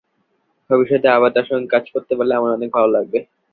ভবিষ্যতে আবার তাঁর সঙ্গে কাজ করতে পারলে আমার অনেক ভালো লাগবে।